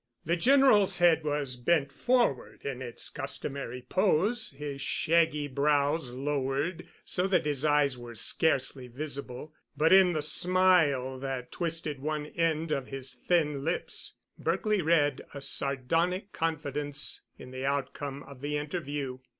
The General's head was bent forward in its customary pose, his shaggy brows lowered so that his eyes were scarcely visible, but in the smile that twisted one end of his thin lips Berkely read a sardonic confidence in the outcome of the interview.